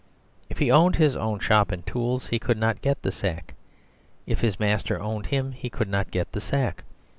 If he owned his own shop and tools, he could not get the sack. If his master owned him, he could not get the sack.